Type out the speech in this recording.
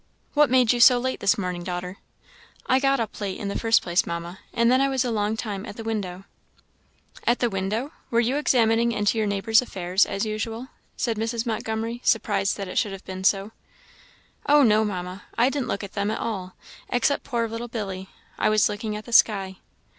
"What made you so late this morning, daughter?" "I got up late, in the first place, Mamma; and then I was a long time at the window." "At the window? Were you examining into your neighbours' affairs, as usual?" said Mrs. Montgomery, surprised that it should have been so. "Oh, no, Mamma, I didn't look at them at all, except poor little Billy. I was looking at the sky."